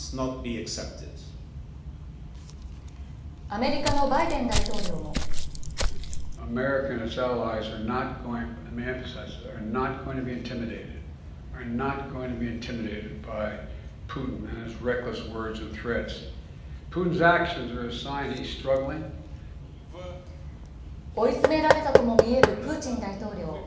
アメリカのバイデン大統領も追い詰められたとも見えるプーチン大統領。